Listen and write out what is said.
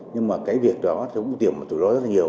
nhưng mà cái việc đó chúng tôi tìm được rủi ro rất nhiều